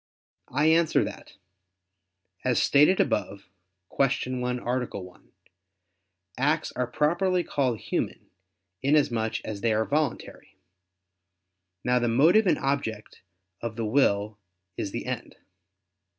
I answer that, As stated above (Q. 1, A. 1), acts are properly called human, inasmuch as they are voluntary. Now, the motive and object of the will is the end.